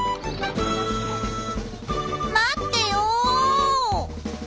「待ってよ！」。